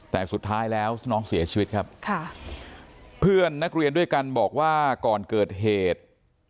แต่สุดท้ายแล้วน้องเสียชีวิตครับค่ะเพื่อนนักเรียนด้วยกันบอกว่าก่อนเกิดเหตุ